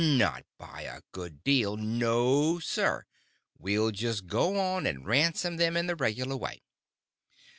Not by a good deal. No, sir, we'll just go on and ransom them in the regular way."